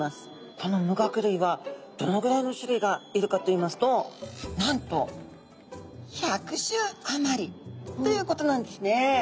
この無顎類はどのぐらいの種類がいるかといいますとなんと１００種あまりということなんですね。